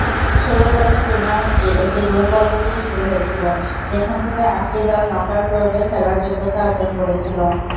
ষোল দলের টুর্নামেন্টটি একটি গ্রুপ পর্ব দিয়ে শুরু হয়েছিল, যেখান থেকে আটটি দল নকআউট পর্বে খেলার যোগ্যতা অর্জন করেছিল।